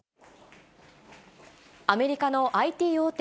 アメリカのＩＴ大手